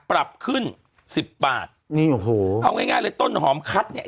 ปรับขึ้น๑๐บาทนี่โหก็งายเลยต้นหอมคัดเนี่ย